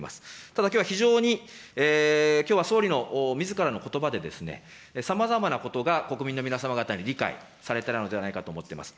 ただきょうは非常に、きょうは総理のみずからのことばで、さまざまなことが国民の皆様方に理解されたのではないかと思っています。